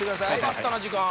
かかったな時間。